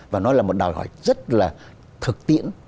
và nó là một đòi hỏi rất là thực tiễn